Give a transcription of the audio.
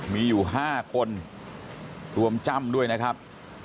มีอยู่๕คนรวมจ้ำด้วยนะครับ